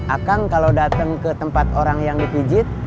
akang kalau datang ke tempat orang yang dipijit